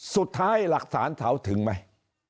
สุดท้ายหลักฐานเถาถึงไหม